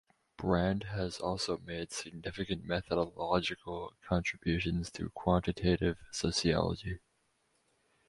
Brand has also made significant methodological contributions to quantitative sociology.